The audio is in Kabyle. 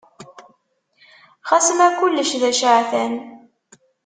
Xas ma kullec d aceɛtan.